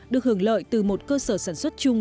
được hưởng lợi từ một cơ sở sản xuất chung